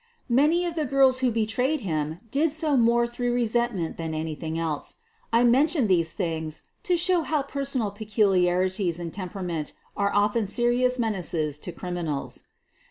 Many of the girls who betrayed him did so more ihrough resentment than anything else. I mention f these things to show how personal peculiarities and temperament are often serious menaces to criminals.